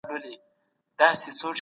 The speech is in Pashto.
هغه په خپل نظر باندې ډېر ټینګار کاوه.